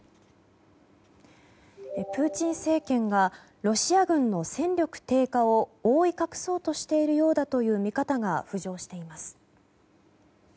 プーチン政権がロシア軍の戦力低下を覆い隠そうとしているようだという見方が浮上しています。